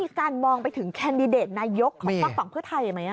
การมองไปถึงแคนดิเดตนายกของฝากฝั่งเพื่อไทยไหม